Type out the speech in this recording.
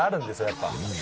やっぱ。